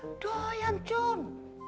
eh doyan cun